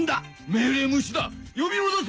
命令無視だ呼び戻せ！